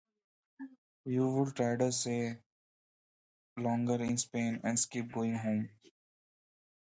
You would rather stay longer in Spain and skip going home.